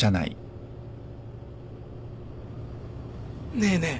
ねえねえ。